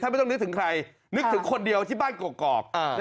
ไม่ต้องนึกถึงใครนึกถึงคนเดียวที่บ้านกอก